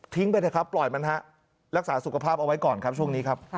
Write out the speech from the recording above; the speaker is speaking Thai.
ไปเถอะครับปล่อยมันฮะรักษาสุขภาพเอาไว้ก่อนครับช่วงนี้ครับ